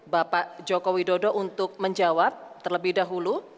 bapak joko widodo untuk menjawab terlebih dahulu